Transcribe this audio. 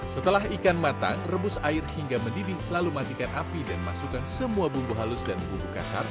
setelah ikan matang rebus air hingga mendidih lalu matikan api dan masukkan semua bumbu halus dan bumbu kasar